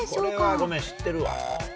これはごめん、知ってるわ。